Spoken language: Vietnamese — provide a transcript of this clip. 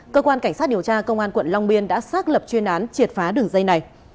cơ quan cảnh sát điều tra công an quận long biên đã xác lập chuyên án triệt phá đường dây này